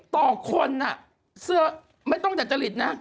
ต่อคนเสื้อไม่ต้องดัจจริตนะ